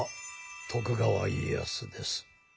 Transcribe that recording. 徳川家康です。